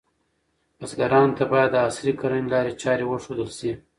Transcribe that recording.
بزګرانو ته باید د عصري کرنې لارې چارې وښودل شي.